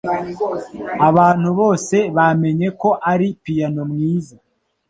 Abantu bose bamenye ko ari piyano mwiza.